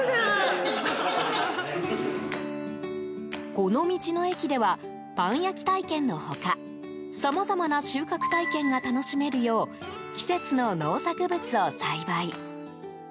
この道の駅ではパン焼き体験の他さまざまな収穫体験が楽しめるよう季節の農作物を栽培。